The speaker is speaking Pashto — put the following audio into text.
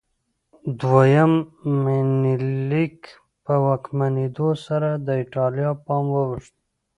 دویم منیلیک په واکمنېدو سره د ایټالیا پام واوښت.